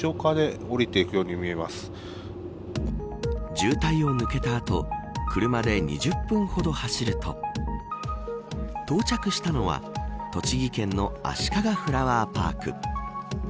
渋滞を抜けた後車で２０分ほど走ると到着したのは栃木県のあしかがフラワーパーク。